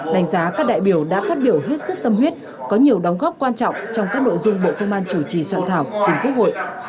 đánh giá các đại biểu đã phát biểu hết sức tâm huyết có nhiều đóng góp quan trọng trong các nội dung bộ công an chủ trì soạn thảo chính quốc hội